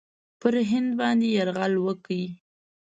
پر هند باندي یرغل وکړي.